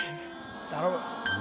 頼む。